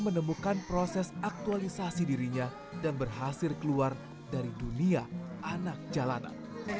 menemukan proses aktualisasi dirinya dan berhasil keluar dari dunia anak jalanan